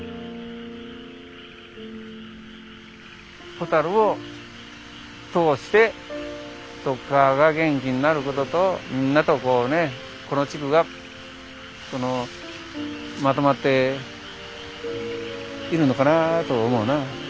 ホタルを通してとっかわが元気になることとみんなとこうねこの地区がまとまっているのかなと思うな。